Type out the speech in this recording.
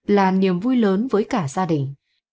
là niềm vui lớn với cả gia đình